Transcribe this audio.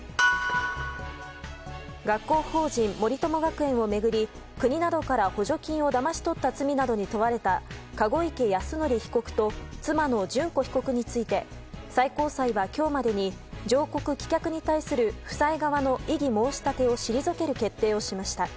学校法人森友学園を巡り国などから補助金をだまし取った罪などに問われた籠池泰典被告と妻の諄子被告について最高裁は今日までに上告棄却に対する夫妻側の異議申し立てを退ける決定をしました。